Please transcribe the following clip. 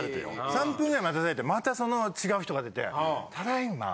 ３分ぐらい待たされてまたその違う人が出て。